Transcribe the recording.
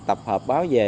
tập hợp báo về